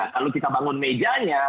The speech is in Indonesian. kalau kita bangun mejanya